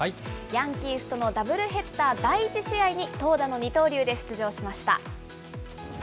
ヤンキースとのダブルヘッダー、第１試合に、投打の二刀流で出場しました。